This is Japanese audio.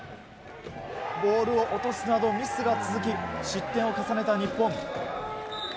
ボールを落とすなどミスが続き失点を重ねた日本。